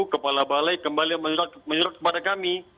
kepala balai kembali menyurut kepada kami